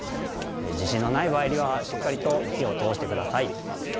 自信のない場合にはしっかりと火を通してください。